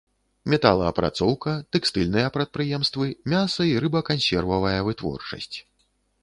Металаапрацоўка, тэкстыльныя прадпрыемствы, мяса- і рыбакансервавая вытворчасць.